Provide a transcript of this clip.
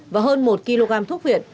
và hơn một kg thuốc viện